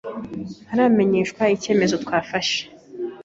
ntaramenyeshwa icyemezo twafashe.